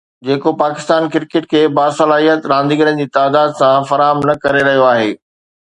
جيڪو پاڪستان ڪرڪيٽ کي باصلاحيت رانديگرن جي تعدد سان فراهم نه ڪري رهيو آهي.